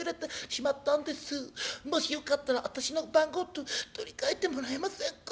もしよかったら私の番号と取り替えてもらえませんか？』